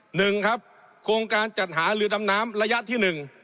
หนึ่งครับโครงการจัดหาเรือดำน้ำระยะที่หนึ่ง